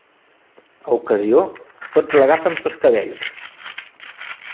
A Ocasió, tots l'agafen pels cabells.